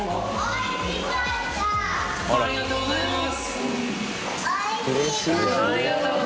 錣いい福ありがとうございます。